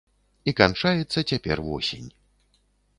І канчаецца цяпер восень.